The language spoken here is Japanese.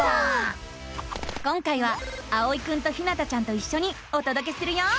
今回はあおいくんとひなたちゃんといっしょにおとどけするよ。